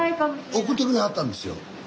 送ってくれはったんですよ。